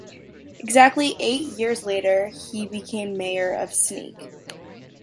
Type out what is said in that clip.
Exactly eight years later he became mayor of Sneek.